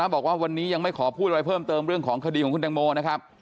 บอกว่าวันนี้ยังไม่ขอพูดอะไรเพิ่มเติมเรื่องของคดีของคุณตังโมนะครับ